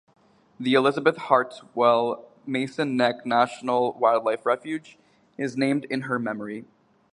The Elizabeth Hartwell Mason Neck National Wildlife Refuge is named in her memory.